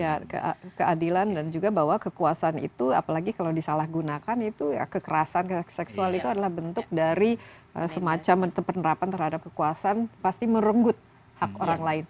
ya keadilan dan juga bahwa kekuasaan itu apalagi kalau disalahgunakan itu kekerasan seksual itu adalah bentuk dari semacam penerapan terhadap kekuasaan pasti merenggut hak orang lain